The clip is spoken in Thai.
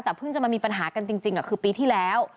แต่เพิ่งจะมามีปัญหากันจริงคือปีที่แล้ว